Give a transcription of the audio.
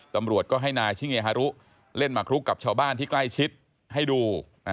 ตำรวจก็ให้นายชิเงฮารุเล่นมาคลุกกับชาวบ้านที่ใกล้ชิดให้ดู